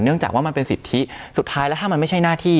จากว่ามันเป็นสิทธิสุดท้ายแล้วถ้ามันไม่ใช่หน้าที่